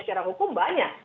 secara hukum banyak